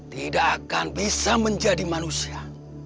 tidak akan bisa menjadi manusia